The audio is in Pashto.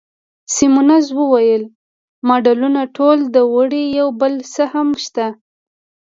سیمونز وویل: مډالونه ټول ده وړي، یو بل څه هم شته.